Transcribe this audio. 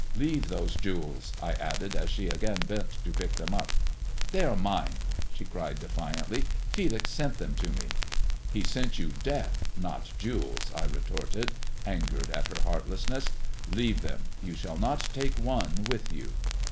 Leave those jewels !" I added, as she again bent to pick them up. " They are mine," she cried defiantly. " Felix sent them to me." He sent you death, not jewels," I retorted, angered at her heartlessness. " Leave them : you shall not take one with you."